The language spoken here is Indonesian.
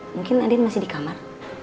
mungkin adin masih di kamar